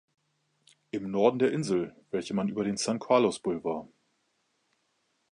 Im Norden der Insel, welche man über den San Carlos Blvd.